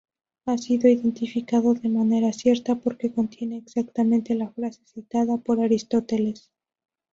Ha sido identificado de manera cierta porque contiene exactamente la frase citada por Aristóteles.